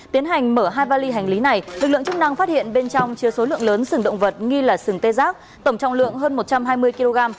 tiến hành mở hai vali hành lý này lực lượng chức năng phát hiện bên trong chứa số lượng lớn sừng động vật nghi là sừng tê giác tổng trọng lượng hơn một trăm hai mươi kg